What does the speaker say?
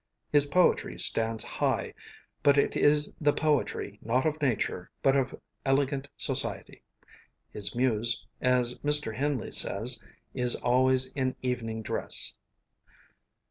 His poetry stands high; but it is the poetry not of nature, but of elegant society. His muse, as Mr. Henley says, is always in evening dress.